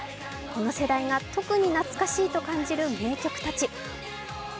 この世代が特に懐かしいと感じる名曲たち。